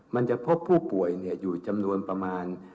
มันจะพบผู้ป่วยอยู่จำนวนประมาณ